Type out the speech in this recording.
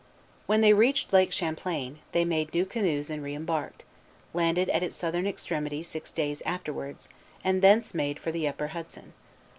When they reached Lake Champlain, they made new canoes and re embarked, landed at its southern extremity six days afterwards, and thence made for the Upper Hudson.